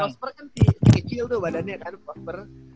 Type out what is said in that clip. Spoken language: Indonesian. iya maksud gue prosper kan di kecil tuh badannya kan prosper